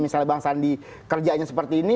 misalnya bang sandi kerjanya seperti ini